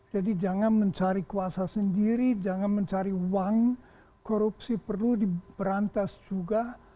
jadi jangan mencari kuasa sendiri jangan mencari uang korupsi perlu diberantas juga